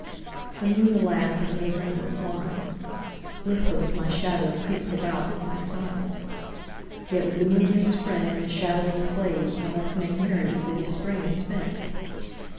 The moon, alas, is no drinker of wine; Listless, my shadow creeps about at my side. Yet with the moon as friend and the shadow as slave I must make merry before the Spring is spent.